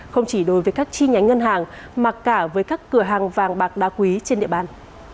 không chỉ đối với các chi nhánh ngân hàng mà cả với các cửa hàng vàng bạc đa quý trên địa bàn